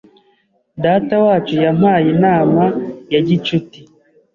Datawacu yampaye inama ya gicuti.